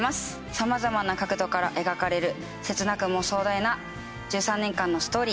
さまざまな角度から描かれる切なくも壮大な１３年間のストーリー。